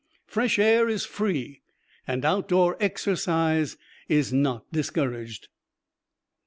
Fresh air is free, and outdoor exercise is not discouraged.